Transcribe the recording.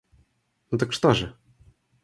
Ну так что же?